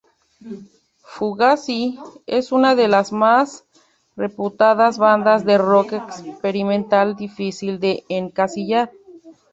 Fugazi es una de las más reputadas bandas de rock experimental, difícil de encasillar.